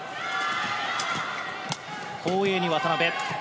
後衛に渡辺。